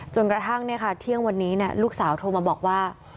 จนกระทั่งเที่ยงวันนี้ลูกสาวโทรมาบอกว่า